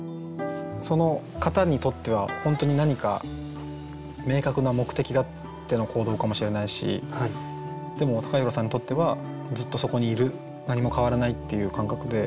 その方にとっては本当に何か明確な目的があっての行動かもしれないしでもＴＡＫＡＨＩＲＯさんにとってはずっとそこにいる何も変わらないっていう感覚で。